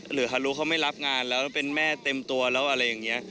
หรือเขารู้เขาไม่รับงานแล้วเป็นแม่เต็มตัวแล้วอะไรอย่างนี้